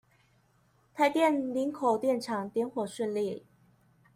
台電林口電廠點火順利